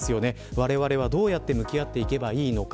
われわれはどうやって向き合っていけばいいのか。